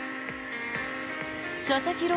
佐々木朗